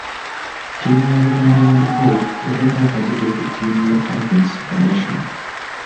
Ttiimu ya Buganda Land Board yatadde akazito ku ttiimu ya Avance International.